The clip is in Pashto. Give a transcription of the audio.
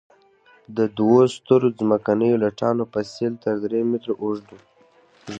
د دوو سترو ځمکنیو لټانو فسیل تر درې مترو اوږده وو.